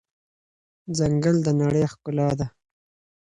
ځنګل د نړۍ ښکلا ده.